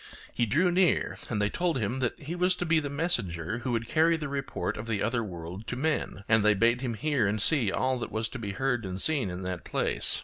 He drew near, and they told him that he was to be the messenger who would carry the report of the other world to men, and they bade him hear and see all that was to be heard and seen in that place.